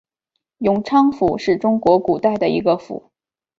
永昌府是中国古代的一个府。